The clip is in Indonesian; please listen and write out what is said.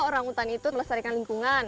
orang hutan itu melestarikan lingkungan